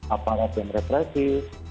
aparat yang retrasif